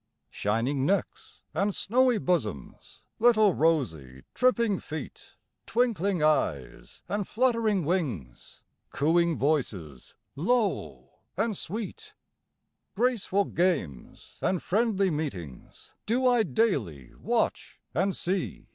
Shining necks and snowy bosoms, Little rosy, tripping feet, Twinkling eyes and fluttering wings, Cooing voices, low and sweet, Graceful games and friendly meetings, Do I daily watch and see.